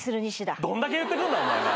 どんだけ言ってくんだお前な。